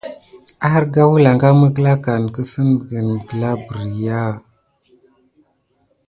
Arga wəlanga mekklakan ka kəssengen gla berya an moka si.